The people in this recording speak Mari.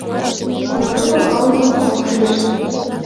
Но тудо кылмым ок шиж.